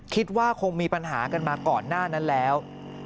คิดว่าคงมีปัญหากันมาก่อนหน้านั้นแล้ว